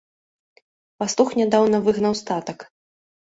Пастух нядаўна выгнаў статак.